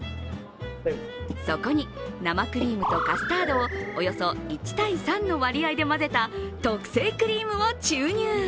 そこに生クリームとカスタードをおよそ１：３の割合で混ぜた特製クリームを注入。